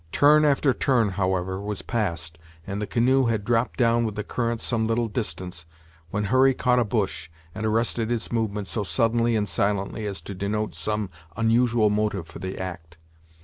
Turn after turn, however, was passed, and the canoe had dropped down with the current some little distance, when Hurry caught a bush, and arrested its movement so suddenly and silently as to denote some unusual motive for the act.